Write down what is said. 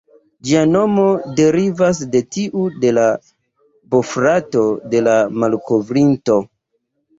Ĝia nomo derivas de tiu de la bofrato de la malkovrinto.